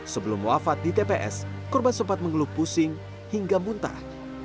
sebelum wafat di tps korban sempat mengeluh pusing hingga muntah